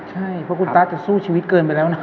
ใช่เพราะคุณตาจะสู้ชีวิตเกินไปแล้วนะ